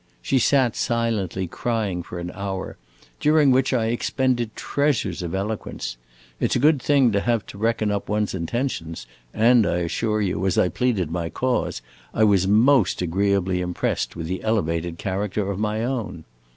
She sat silently crying for an hour, during which I expended treasures of eloquence. It 's a good thing to have to reckon up one's intentions, and I assure you, as I pleaded my cause, I was most agreeably impressed with the elevated character of my own.